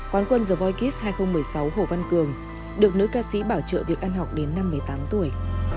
quán quân the voikis hai nghìn một mươi sáu hồ văn cường được nữ ca sĩ bảo trợ việc ăn học đến năm một mươi tám tuổi